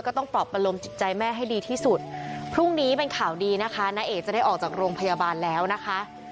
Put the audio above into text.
ต้องปลอบประลมจิตใจแม่ให้ดีที่สุดพรุ่งนี้เป็นข่าวดีนะคะณเอกจะได้ออกจากโรงพยาบาลแล้วนะคะ